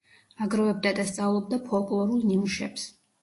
აგროვებდა და სწავლობდა ფოლკლორულ ნიმუშებს.